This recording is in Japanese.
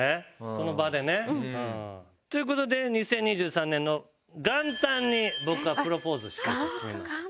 その場でね。という事で２０２３年の元旦に僕はプロポーズしようと決めました。